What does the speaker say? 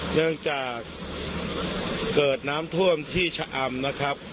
เนื่องจากเกิดน้ำท่วมที่ชะอำนะครับ